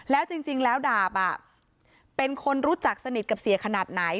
แล้วจริงแล้วดาบเป็นคนรู้จักสนิทกับเสียขนาดไหน